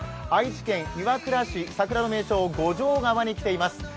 愛知県岩倉市、桜の名所、五条川に来ています。